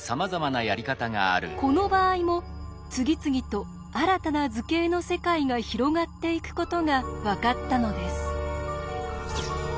この場合も次々と新たな図形の世界が広がっていくことが分かったのです。